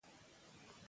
علم ته درناوی وکړئ.